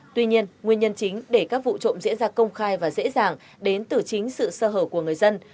tuy nhiên nguyên nhân chính để các vụ trộm diễn ra công khai và dễ dàng đến từ chính sự sơ hở của người dân